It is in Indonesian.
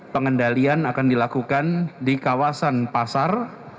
pengendalian akan dilakukan di kawasan pasar